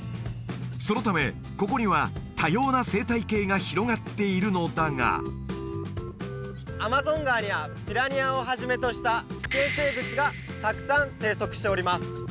そのためここには多様な生態系が広がっているのだがアマゾン川にはピラニアをはじめとした危険生物がたくさん生息しております